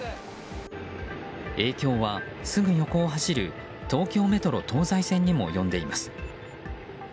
影響はすぐ横を走る東京メトロ東西線にも及んでいます。